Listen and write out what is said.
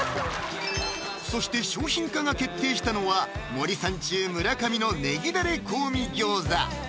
そして商品化が決定したのは「森三中」・村上のねぎダレ香味餃子